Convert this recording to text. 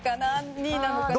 ２位なのかな。